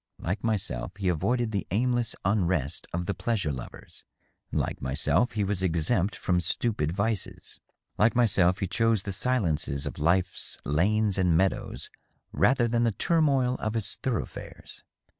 Like myself, he avoided the aimless unrest of the pleas ure lovers. Like myself, he was exempt from stupid vices. Like myself, he chose the silences of life's lanes and meadows rather than the turmoil of its thoroughfares.